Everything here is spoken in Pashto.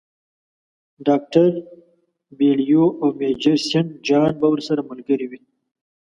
ډاکټر بیلیو او میجر سینټ جان به ورسره ملګري وي.